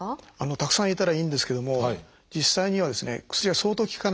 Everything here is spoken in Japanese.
たくさんいたらいいんですけども実際にはですね薬が相当効かないと。